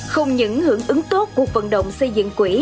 không những hưởng ứng tốt cuộc vận động xây dựng quỹ